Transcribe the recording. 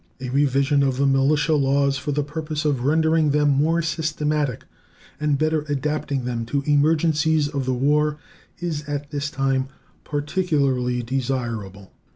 A revision of the militia laws for the purpose of rendering them more systematic and better adapting them to emergencies of the war is at this time particularly desirable.